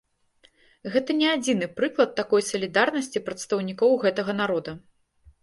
Гэта не адзіны прыклад такой салідарнасці прадстаўнікоў гэтага народа.